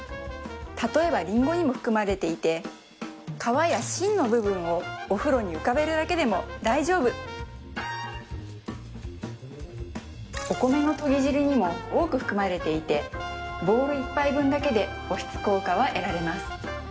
例えばリンゴにも含まれていて皮や芯の部分をお風呂に浮かべるだけでも大丈夫お米のとぎ汁にも多く含まれていてボウル１杯分だけで保湿効果は得られます